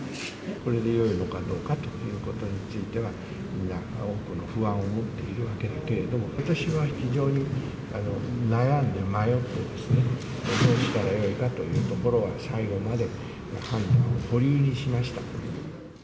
これでよいのかどうかということについては、皆、多くの不安を持っているわけだけれども、私は非常に悩んで迷って、どうしたらよいかというところは、最後まで判断を保留にしました。